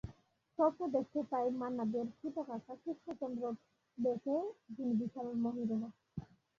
স্বপ্নে দেখতে পাই মান্না দের ছোট কাকা কৃষ্ণচন্দ্র দেকে, যিনি বিশাল মহিরুহ।